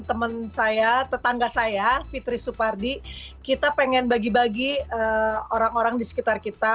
teman saya tetangga saya fitri supardi kita pengen bagi bagi orang orang di sekitar kita